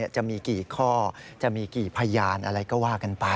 จะมีกี่ข้อจะมีกี่พยานอะไรก็ว่ากันไป